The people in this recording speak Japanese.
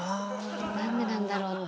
なんでなんだろうって。